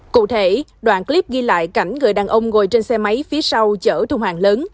cụ thể đoạn clip ghi lại cảnh người đàn ông ngồi trên xe máy phía sau chở thùng hàng lớn